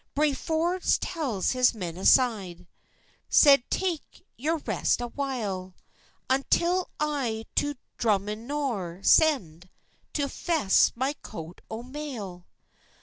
Brave Forbës drew his men aside, Said, "Tak your rest a while, Until I to Drumminnor send, To fess my coat o mail."